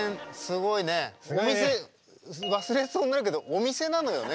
お店忘れそうになるけどお店なのよね